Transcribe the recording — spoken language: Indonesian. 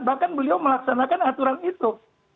bahkan beliau melaksanakan aturan itu